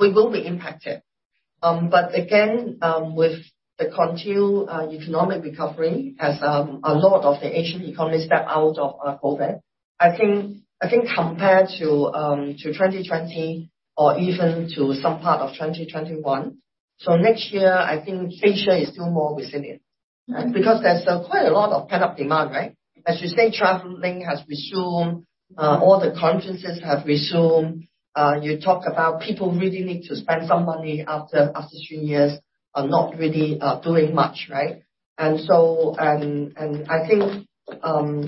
we will be impacted. Again, with the continued economic recovery as a lot of the Asian economies step out of COVID, I think compared to 2020 or even to some part of 2021, next year, I think Asia is still more resilient. Mm-hmm. Because there's quite a lot of pent-up demand, right? As you say, traveling has resumed. All the conferences have resumed. You talk about people really need to spend some money after two years of not really doing much, right? I think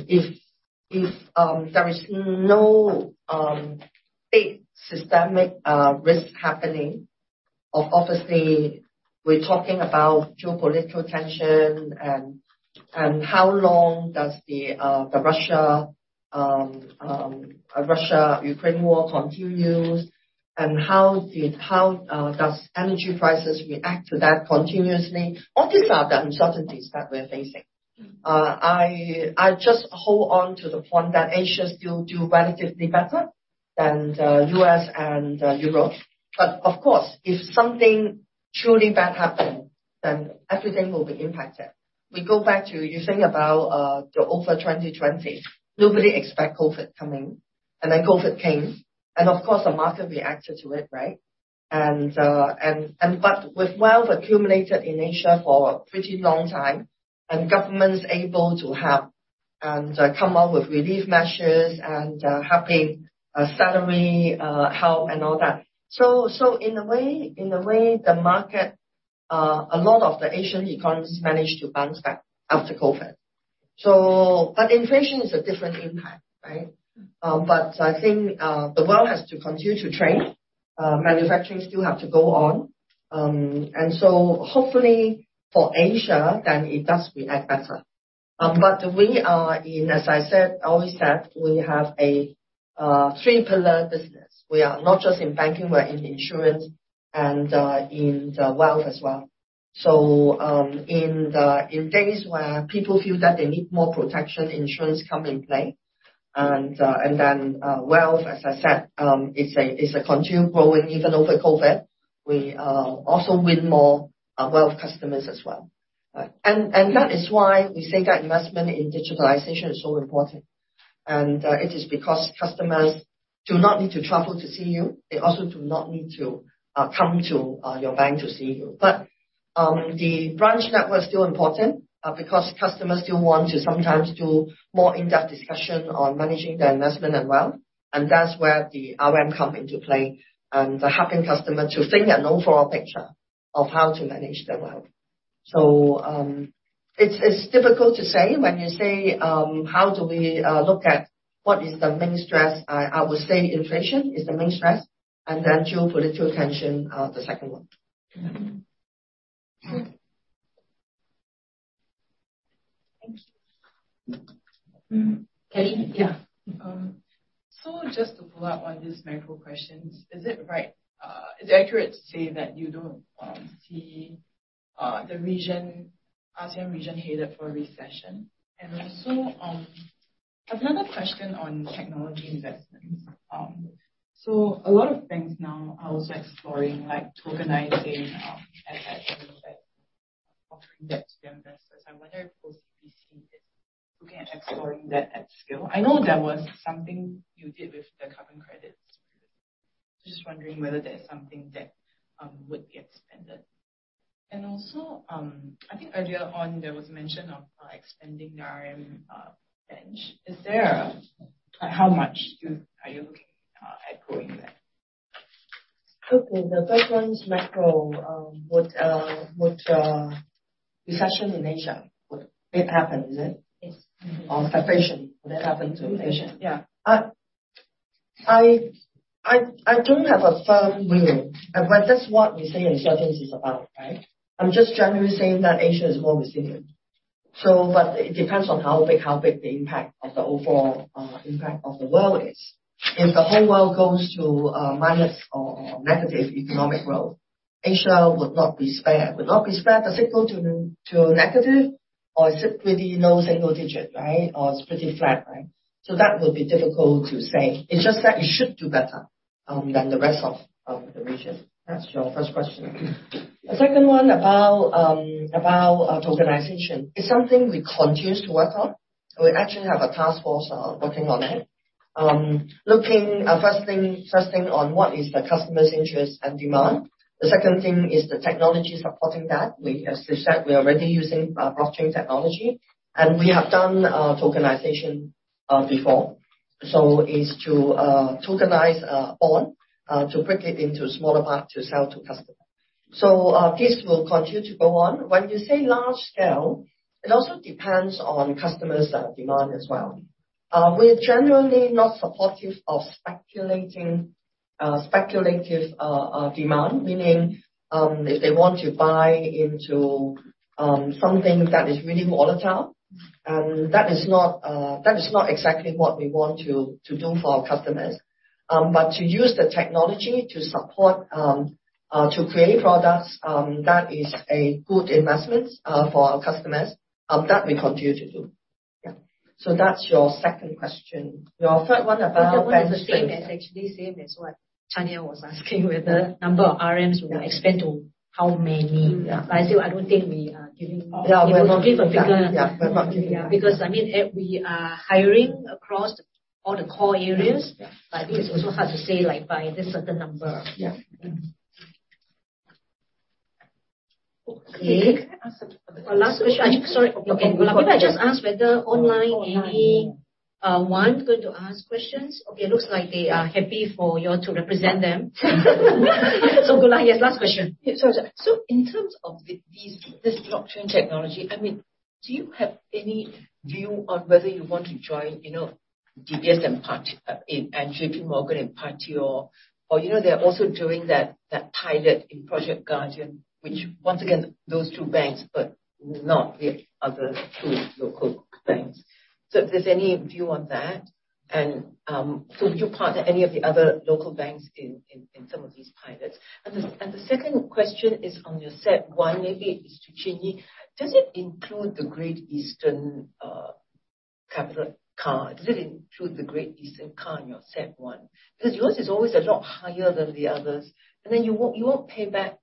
if there is no big systemic risk happening, obviously we're talking about geopolitical tension and how long the Russia-Ukraine war continues, and how does energy prices react to that continuously. All these are the uncertainties that we're facing. I just hold on to the point that Asia still do relatively better than U.S. and Europe. But of course, if something truly bad happen, then everything will be impacted. We go back to you saying about the over 2020. Nobody expect COVID coming. COVID came, and of course, the market reacted to it, right? With wealth accumulated in Asia for a pretty long time and governments able to help and come up with relief measures and helping salary help and all that. In a way, the market, a lot of the Asian economies managed to bounce back after COVID. Inflation is a different impact, right? I think the world has to continue to trade. Manufacturing still have to go on. Hopefully for Asia, then it does react better. We are in, as I said, always said, we have a three pillar business. We are not just in banking, we're in insurance and in the wealth as well. In days where people feel that they need more protection, insurance comes into play. Then wealth, as I said, is a continued growing even over COVID. We also won more wealth customers as well. That is why we say that investment in digitalization is so important. It is because customers do not need to travel to see you. They also do not need to come to your bank to see you. The branch network is still important because customers still want to sometimes do more in-depth discussion on managing their investment and wealth, and that's where the RM comes into play, and helping customers to think an overall picture of how to manage their wealth. It's difficult to say when you say how do we look at what is the main stress. I would say inflation is the main stress, and then geopolitical tension, the second one. Mm-hmm. Thank you. Mm. [Kathy?] Yeah. Just to follow up on this macro question. Is it right, is it accurate to say that you don't see the region, ASEAN region headed for a recession? I have another question on technology investments. A lot of banks now are also exploring like tokenizing assets and offering that to the investors. I wonder if OCBC is looking at exploring that at scale. I know that was something you did with the carbon credits. Just wondering whether that's something that would get expanded. I think earlier on there was mention of expanding the RM bench. How much are you looking at growing that? Okay. The first one is macro. Would recession in Asia, would it happen? Is it? Yes. Mm-hmm. Stagflation. Would that happen to inflation? Yeah. I don't have a firm view, but that's what we say about uncertainties, right? I'm just generally saying that Asia is more resilient. But it depends on how big the impact of the overall impact of the world is. If the whole world goes to minus or negative economic growth, Asia would not be spared. Does it go to a negative or is it really low single digit, right? Or it's pretty flat, right? That will be difficult to say. It's just that it should do better than the rest of the region. That's your first question. Mm-hmm. The second one about tokenization. It's something we continue to work on. We actually have a task force working on it. Looking at first thing on what is the customer's interest and demand. The second thing is the technology supporting that. As we said, we are already using blockchain technology, and we have done tokenization before. So is to tokenize on to break it into smaller parts to sell to customer. So, this will continue to go on. When you say large scale, it also depends on customers demand as well. We're generally not supportive of speculative demand. Meaning, if they want to buy into something that is really volatile, and that is not exactly what we want to do for our customers. To use the technology to create products that is a good investment for our customers that we continue to do. Yeah. That's your second question. Your third one about The third one the same as actually what Harsh Wardhan Modi was asking, whether number of RMs will expand to how many. Yeah. I still don't think we are giving. Yeah. We will not give a figure. Yeah, we're not giving. Yeah. Because I mean, we are hiring across all the core areas. Yeah. It is also hard to say, like, by this certain number. Yeah. Okay. Can I ask one last question. Sorry. Okay. Can I just ask whether online, anyone going to ask questions? Okay, looks like they are happy for y'all to represent them. Goola, yes, last question. Yeah, sure. In terms of this blockchain technology, I mean, do you have any view on whether you want to join, you know, DBS and Partior and J.P. Morgan and Partior? Or you know, they are also doing that pilot in Project Guardian, which once again, those two banks, but not the other two local banks. If there's any view on that, and so would you partner any of the other local banks in some of these pilots? And the second question is on your CET1, maybe it's to Goh Chin Yee. Does it include the Great Eastern capital charge? Does it include the Great Eastern capital in your CET1? Because yours is always a lot higher than the others, and then you won't pay back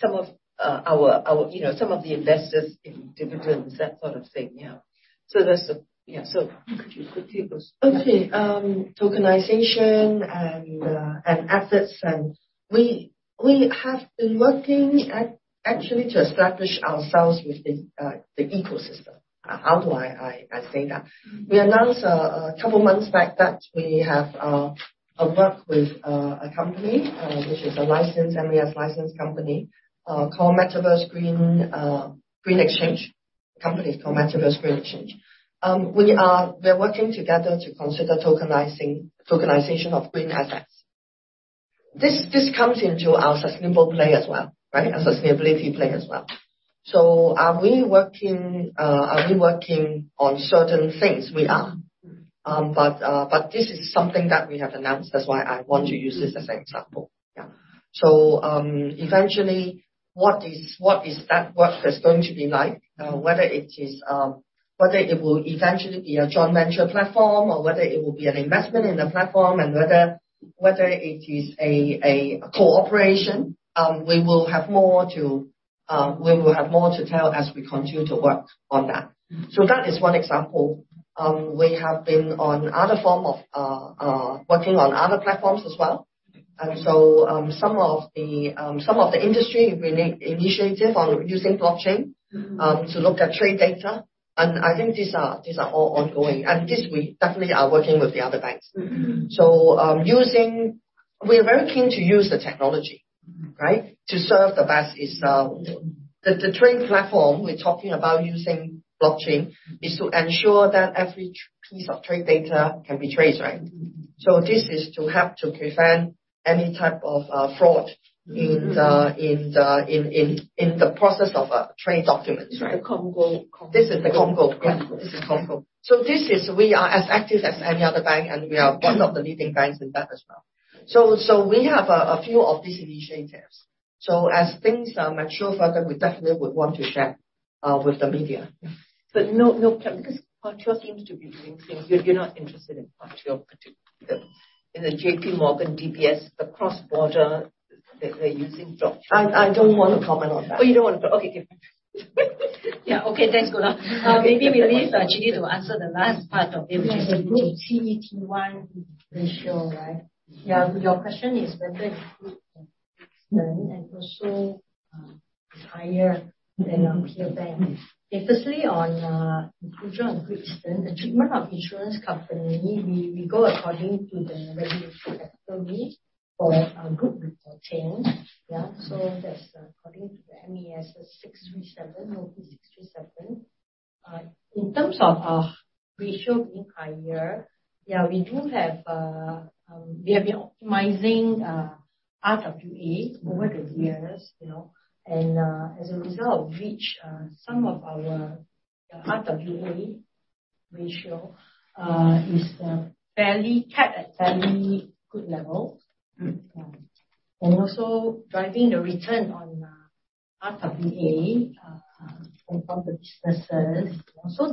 some of our, you know, some of the investors in dividends, that sort of thing. Yeah. That's the. Yeah. Could you quickly go? Okay. Tokenization and assets and we have been working actually to establish ourselves with the ecosystem. How do I say that? We announced a couple months back that we have work with a company, which is a licensed, MAS-licensed company, called MetaVerse Green Exchange. Company is called MetaVerse Green Exchange. We are working together to consider tokenization of green assets. This comes into our sustainable play as well, right? Our sustainability play as well. Are we working on certain things? We are. This is something that we have announced, that's why I want to use this as an example. Yeah. Eventually, what is that work going to be like? Whether it will eventually be a joint venture platform or whether it will be an investment in the platform, and whether it is a cooperation, we will have more to tell as we continue to work on that. That is one example. We have been working on other platforms as well. Some of the initiatives we initiated using blockchain to look at trade data. I think these are all ongoing. We definitely are working with the other banks. Mm-hmm. We are very keen to use the technology, right? To serve the best is, the trade platform we're talking about using blockchain is to ensure that every piece of trade data can be traced, right? Mm-hmm. This is to help to prevent any type of fraud in the process of trade documents. Right. Contour. This is the Contour. Contour. This is Contour. We are as active as any other bank, and we are one of the leading banks in that as well. We have a few of these initiatives. As things mature further, we definitely would want to share with the media. No, because Partior seems to be doing things. You're not interested in Partior particularly. In the J.P. Morgan, DBS, the cross-border, they're using blockchain. I don't want to comment on that. Oh, you don't wanna comment. Okay, great. Yeah. Okay. This is Goola. Maybe we leave Chin Yee to answer the last part of it, which is the. Yes, the Group CET1 ratio, right? Yeah. Your question is whether it's good and also is higher than our peer banks. Okay, firstly, on inclusion of Great Eastern, the treatment of insurance company, we go according to the regulatory authority for a group with insurance. Yeah. That's according to the MAS Notice 637. In terms of our ratio being higher, yeah, we do have. We have been optimizing RWA over the years, you know, and as a result of which, the RWA ratio is fairly kept at a good level. Mm-hmm. Yeah. Also driving the return on RWA from the businesses.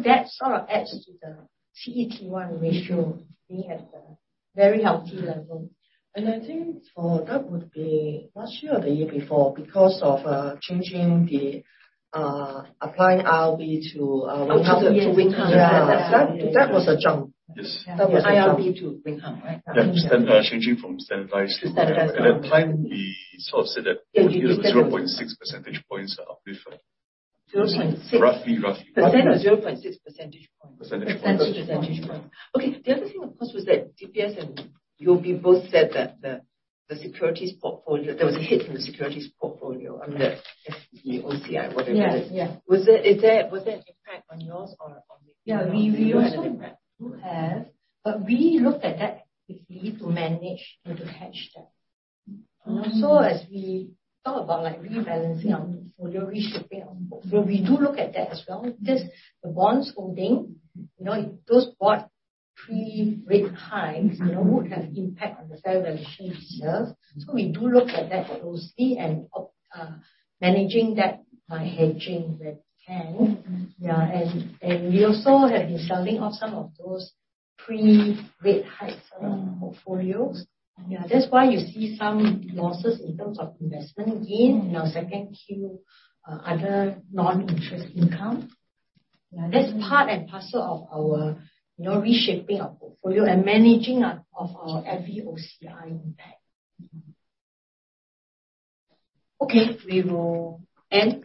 That sort of adds to the CET1 ratio being at a very healthy level. I think for that would be not sure, the year before, because of applying IRB to Oh yes. To Wing Hang. Yeah. That was a jump. Yes. That was a jump. IRB to Wing Hang, right? Yeah. Stand by, changing from standardized to. Standardized. At that time, we sort of said that it was 0.6 percentage points uplift. 0.6. Roughly. % or 0.6 percentage points? Percentage points. Percentage points. Okay. The other thing, of course, was that DBS and UOB both said that the securities portfolio, there was a hit in the securities portfolio under FVOCI, whatever it is. Yeah. Yeah. Was there an impact on yours or? Yeah. We also do have, but we looked at that quickly to manage and to hedge that. Mm-hmm. As we thought about, like, rebalancing our portfolio, reshaping our portfolio, we do look at that as well, because the bond holdings, you know, those bought pre-rate hikes, you know, would have impact on the fair value gains here. We do look at that closely and managing that by hedging where we can. Yeah. We also have been selling off some of those pre-rate hikes portfolios. Yeah. That's why you see some losses in terms of investment gain in our second Q other non-interest income. Yeah. That's part and parcel of our, you know, reshaping our portfolio and managing of our FVOCI impact. Okay. We will end.